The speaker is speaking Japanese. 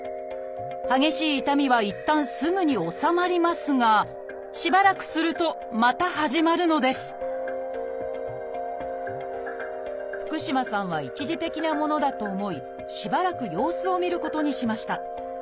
激しい痛みはいったんすぐに治まりますがしばらくするとまた始まるのです福嶋さんは一時的なものだと思いしばらく様子を見ることにしました。